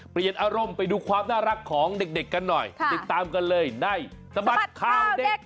เปลี่ยนอารมณ์ไปดูความน่ารักของเด็กกันหน่อยติดตามกันเลยในสบัดข่าวเด็ก